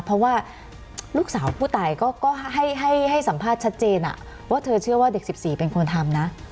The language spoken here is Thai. เพราะว่าลูกสาวผู้ตายก็ให้สัมภาษณ์ชัดเจนว่าเธอเชื่อว่าเด็ก๑๔เป็นคนทำนะ